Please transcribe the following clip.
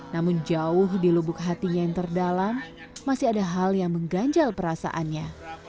namun jauh di lubuk hatinya yang terdalam masih ada hal yang mengganjal perasaannya